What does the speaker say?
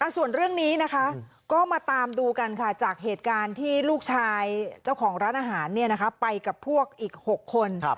ส่วนเรื่องนี้นะคะก็มาตามดูกันค่ะจากเหตุการณ์ที่ลูกชายเจ้าของร้านอาหารไปกับพวกอีก๖คน